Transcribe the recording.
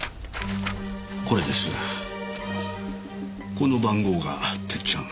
この番号がてっちゃん。